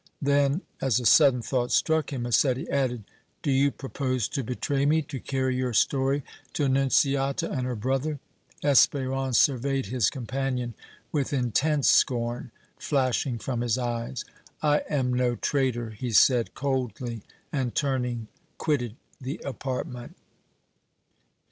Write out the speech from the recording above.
Then, as a sudden thought struck him, Massetti added: "Do you propose to betray me, to carry your story to Annunziata and her brother?" Espérance surveyed his companion with intense scorn flashing from his eyes. "I am no traitor!" he said, coldly, and, turning, quitted the apartment.